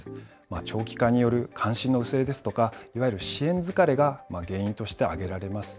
長期化による関心の薄れですとか、いわゆる支援疲れが原因として挙げられます。